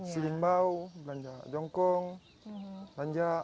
silimbau belanja jongkong belanja